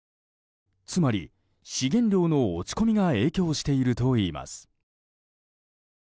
つまり資源量の落ち込みが影響しているといいます。